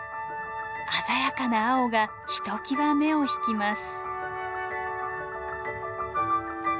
鮮やかな青がひときわ目を引きます。